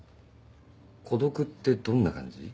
孤独ってどんな感じ？